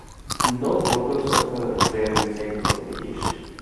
No photos of her were inside the publication.